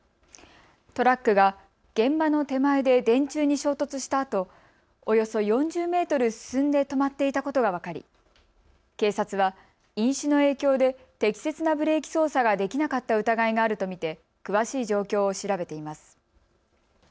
トラックが現場の手前で電柱に衝突したあとおよそ４０メートル進んで止まっていたことが分かり、警察は飲酒の影響で適切なブレーキ操作ができなかった疑いがあると見て詳しい状況を調べています。